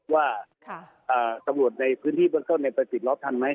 ว่าสมุทรในพื้นที่บริเวศรั่วในไปปิดล้อมทันไหม